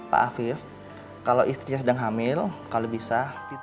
pak afif kalau istrinya sedang hamil kalau bisa